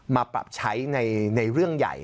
มาปรับใช้ในเรื่องใหญ่